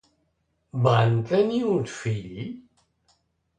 Van tenir un fill?